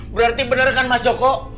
berarti benar kan mas joko